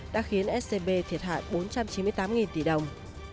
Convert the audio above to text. đã khiến scb thiệt hại bốn trăm chín mươi tám tỷ đồng